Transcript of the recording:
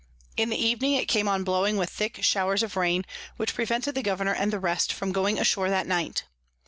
In the Evening it came on blowing with thick Showers of Rain, which prevented the Governour and the rest from going ashore that night.